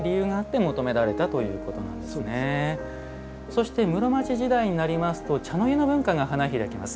そして室町時代になりますと茶の湯の文化が花開きます。